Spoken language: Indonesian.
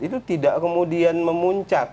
itu tidak kemudian memuncak